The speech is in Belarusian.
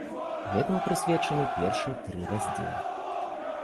Гэтаму прысвечаны першыя тры раздзелы.